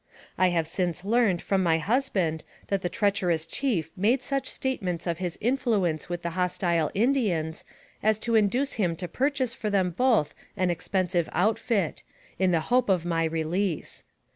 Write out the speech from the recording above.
I have since learned from my husband that the treacherous chief made such statements of his influence with the hostile Indians as to induce him to purchase for them both an expensive outfit, in the hope of my release.